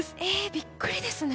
びっくりですね。